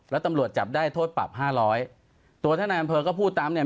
แล้วตำรวจจับได้โทษปรับห้าร้อยตัวท่านนายอำเภอก็พูดตามเนี่ย